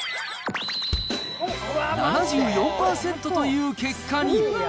７４％という結果に。